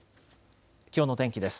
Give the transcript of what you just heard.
きょうの天気です。